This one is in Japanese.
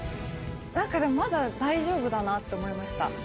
なんかでも、まだ大丈夫だなって思いました。